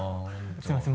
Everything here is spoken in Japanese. すみません